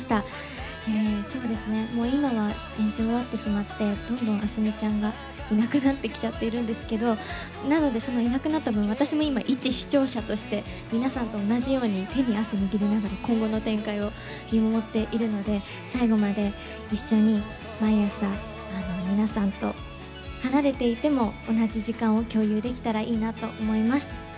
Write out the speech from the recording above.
そうですねもう今は演じ終わってしまってどんどん明日美ちゃんがいなくなってきちゃっているんですけどなのでそのいなくなった分私も今一視聴者として皆さんと同じように手に汗握りながら今後の展開を見守っているので最後まで一緒に毎朝皆さんと離れていても同じ時間を共有できたらいいなと思います。